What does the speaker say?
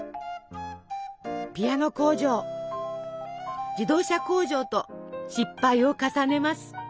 ピアノ工場自動車工場と失敗を重ねます。